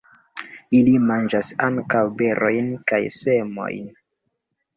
Ili manĝas ankaŭ berojn kaj semojn.